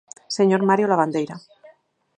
Señor Mario Lavandeira.